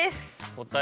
答え